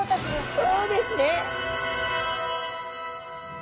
そうですね。